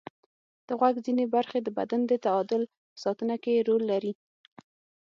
د غوږ ځینې برخې د بدن د تعادل په ساتنه کې رول لري.